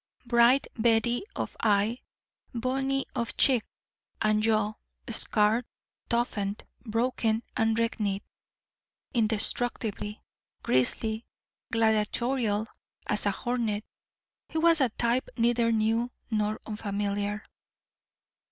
Bright beady of eye, bony of cheek and jaw, scarred, toughened, broken and reknit, indestructible, grisly, gladiatorial as a hornet, he was a type neither new nor unfamiliar.